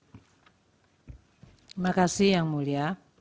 terima kasih yang mulia